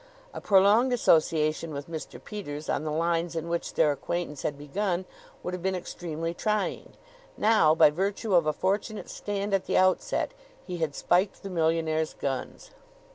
A prolonged association with Mr. Peters on the lines in which their acquaintance had begun would have been extremely trying. Now, by virtue of a fortunate stand at the outset, he had spiked the millionaire's guns.